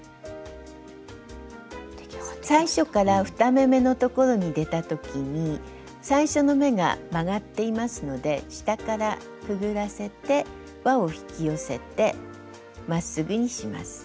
最初から２目めのところに出た時に最初の目が曲がっていますので下からくぐらせてわを引き寄せてまっすぐにします。